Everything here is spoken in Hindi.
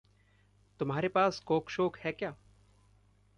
तुम्हारे पास कोक-शोक है क्या?